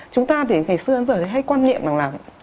chúng ta thì ngày xưa đến giờ hay quan niệm là